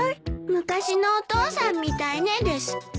「昔のお父さんみたいね」ですって。